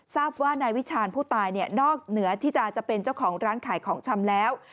ทราบว่านายวิชาญผู้ตายเนี่ยนอกเหนือที่จะเป็นเจ้าของร้านขายของชำแล้ว